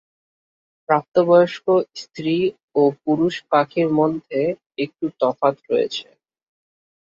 প্রাপ্তবয়স্ক স্ত্রী ও পুরুষ পাখির মধ্যে একটু তফাৎ রয়েছে।